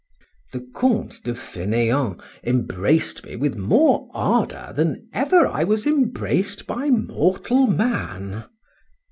The Count de Faineant embraced me with more ardour than ever I was embraced by mortal man.